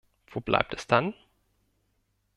Wo bleibt es dann?